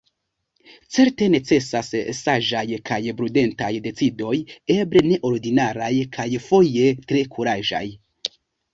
Certe necesas saĝaj kaj prudentaj decidoj, eble neordinaraj kaj foje tre kuraĝaj.